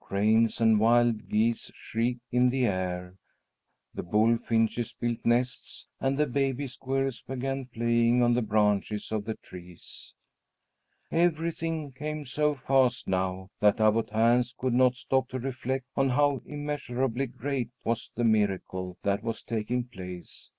Cranes and wild geese shrieked in the air, the bullfinches built nests, and the baby squirrels began playing on the branches of the trees. Everything came so fast now that Abbot Hans could not stop to reflect on how immeasurably great was the miracle that was taking place.